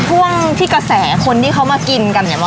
ช่วงที่กระแสคนที่เขามากินกันเนี่ย